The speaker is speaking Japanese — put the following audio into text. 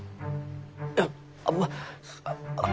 いやまあああ